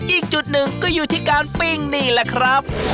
อีกจุดหนึ่งก็อยู่ที่การปิ้งนี่แหละครับ